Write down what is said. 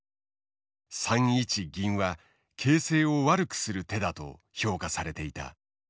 ３一銀は形勢を悪くする手だと評価されていた。